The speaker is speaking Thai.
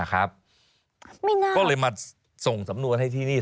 ค่ะไม่น่าก็เลยมาส่งสำนวนให้ที่นี่